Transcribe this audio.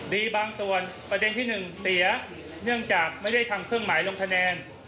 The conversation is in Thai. ดีบางส่วนประเด็นที่หนึ่งเสียเนื่องจากไม่ได้ทำเครื่องหมายลงคะแนน